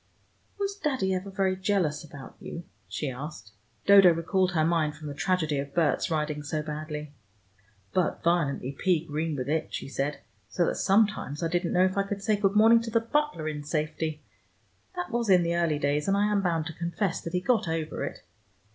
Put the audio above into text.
"Was Daddy ever very jealous about you?" she asked. Dodo recalled her mind from the tragedy of Berts riding so badly. "But violently pea green with it," she said, "so that sometimes I didn't know if I could say good morning to the butler in safety. That was in the early days, and I am bound to confess that he got over it.